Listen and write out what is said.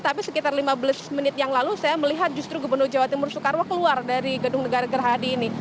tapi sekitar lima belas menit yang lalu saya melihat justru gubernur jawa timur soekarwo keluar dari gedung negara gerhadi ini